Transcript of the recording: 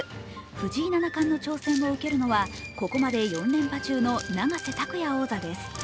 藤井七冠の挑戦を受けるのはここまで４連覇中の永瀬拓矢王座です。